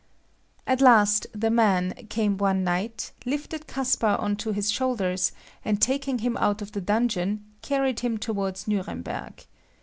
At last "the man" came one night, lifted Caspar on to his shoulders, and taking him out of the dungeon, carried him towards Nuremberg.